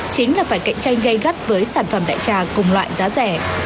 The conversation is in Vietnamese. chính là phải cạnh tranh gây gắt với sản phẩm đại trà cùng loại giá rẻ